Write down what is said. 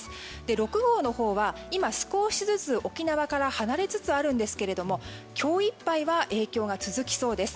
６号のほうは今少しずつ沖縄から離れつつあるんですが今日いっぱいは影響が続きそうです。